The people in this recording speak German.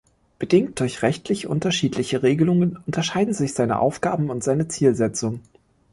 Bedingt durch rechtlich unterschiedliche Regelungen unterscheiden sich seine Aufgaben und seine Zusammensetzung.